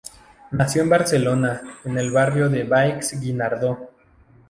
Nació en Barcelona en el barrio del Baix Guinardó.